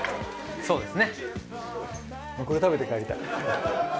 そうですね